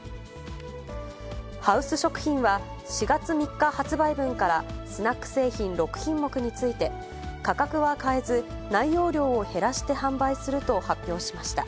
ハウス食品は、４月３日発売分から、スナック製品６品目について、価格は変えず、内容量を減らして販売すると発表しました。